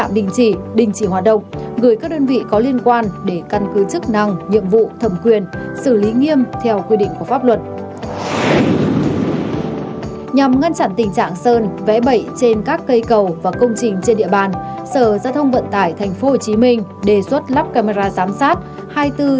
bên cạnh đó sở gia thông vận tải đề xuất sử dụng các loại sơn chuyên dụng đặc biệt chống dính bề mặt